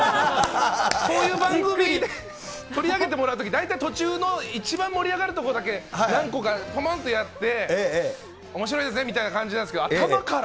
こういう番組で取り上げてもらうとき、大体途中の一番盛り上がるとこだけ、何個かやって、おもしろいですねみたいな感じなんですけど、頭から。